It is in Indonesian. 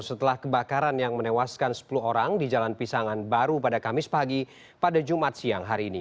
setelah kebakaran yang menewaskan sepuluh orang di jalan pisangan baru pada kamis pagi pada jumat siang hari ini